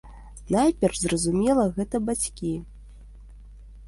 Найперш, зразумела, гэта бацькі.